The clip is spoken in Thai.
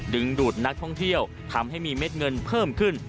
ดึงดูดนักท่องเที่ยวทำให้มีเม็ดเงินเพิ่มขึ้น